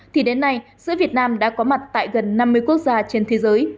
thì đến nay sữa việt nam đã có mặt tại gần năm mươi quốc gia trên thế giới